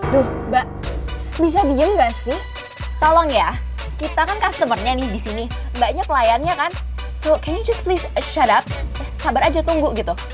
duh mbak bisa diem gak sih tolong ya kita kan customer nya nih di sini banyak layarnya kan so can you just please shut up sabar aja tunggu gitu